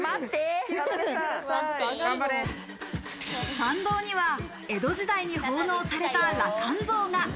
山道には江戸時代に奉納された羅漢像が。